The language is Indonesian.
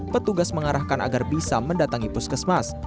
petugas mengarahkan agar bisa mendatangi puskesmas